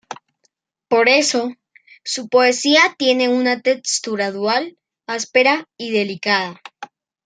Por eso su poesía tiene una textura dual, áspera y delicada.